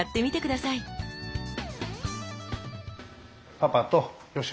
パパとよし